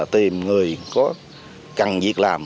tìm người có cần việc làm